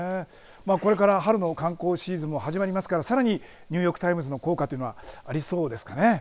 これから春の観光シーズンも始まりますからさらにニューヨーク・タイムズの効果はありそうですかね。